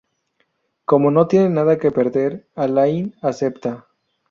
Como no tiene nada que perder Alain acepta.